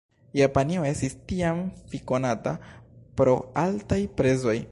Japanio estis tiam fikonata pro altaj prezoj.